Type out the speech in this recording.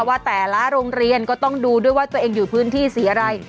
ว่าแต่ละโรงเรียนก็ต้องดูด้วยว่าตัวเองอยู่พื้นที่สีอะไร